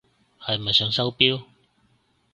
係咪想收錶？